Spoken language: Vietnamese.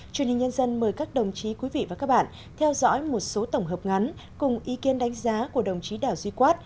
truyền hình nhân dân mời các đồng chí quý vị và các bạn theo dõi một số tổng hợp ngắn cùng ý kiến đánh giá của đồng chí đảo duy quát